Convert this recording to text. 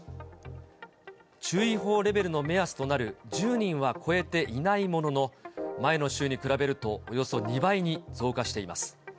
注意報レベルの目安となる１０人は超えていないものの、前の週に比べると、およそ２倍に増加しています。